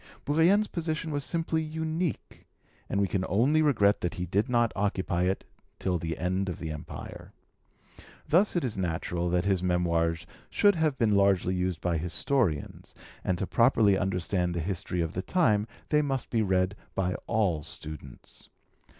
Bourrienne's position was simply unique, and we can only regret that he did not occupy it till the end of the Empire. Thus it is natural that his Memoirs should have been largely used by historians, and to properly understand the history of the time, they must be read by all students.